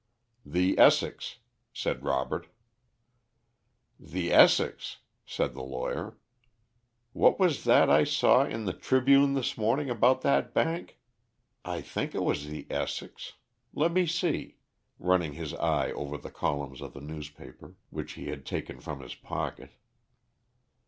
"The Essex," said Robert. "The Essex!" said the lawyer. "What was that I saw in the Tribune this morning about that bank? I think it was the Essex. Let me see;" running his eye over the columns of the newspaper, which he had taken from his pocket.